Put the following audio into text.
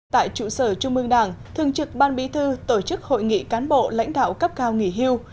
tại trụ sở trung mương đảng thường trực ban bí thư tổ chức hội nghị cán bộ lãnh đạo cấp cao nghỉ hưu